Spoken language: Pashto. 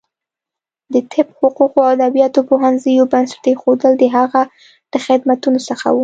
د طب، حقوقو او ادبیاتو پوهنځیو بنسټ ایښودل د هغه له خدمتونو څخه و.